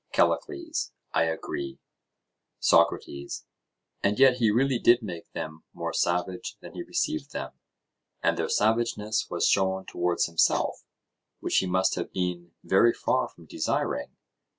CALLICLES: I agree. SOCRATES: And yet he really did make them more savage than he received them, and their savageness was shown towards himself; which he must have been very far from desiring.